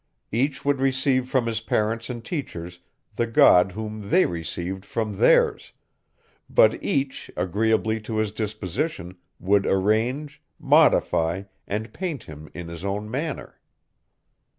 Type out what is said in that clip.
Each would receive from his parents and teachers the God whom they received from theirs; but each, agreeably to his disposition, would arrange, modify, and paint him in his own manner.